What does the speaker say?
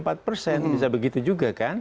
bisa begitu juga kan